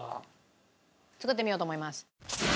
作ってみようと思います。